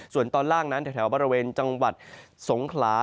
ส่วนตอนล่างนั้นแถวบริเวณจังหวัดสงขลา